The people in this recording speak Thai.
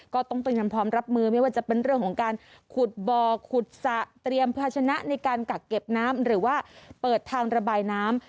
ก็ต้องเป็นคำพร้อมรับมือไม่ว่าจะเป็นเรื่องของการขุดบ่อขุดสระเตรียมภาชนะในการกักเก็บน้ำหรือว่าเปิดทางระบายน้ำ